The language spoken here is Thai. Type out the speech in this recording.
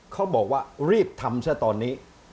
เขาบอกว่ารีบทำซะตอนนี้